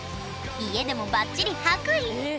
家でもばっちり白衣え！